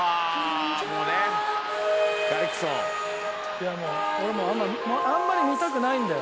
いやもう俺あんまり見たくないんだよ。